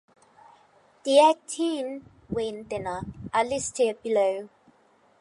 The eighteen "veintena" are listed below.